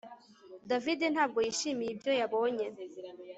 David ntabwo yishimiye ibyo yabonye